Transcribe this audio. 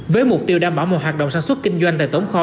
với mục tiêu đảm bảo một hoạt động sản xuất kinh doanh tại tổng kho